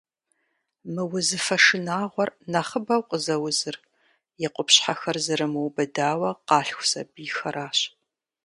Мы узыфэ шынагъуэр нэхъыбэу къызэузыр и къупщхьэхэр зэрымубыдауэ къалъху сабийхэращ.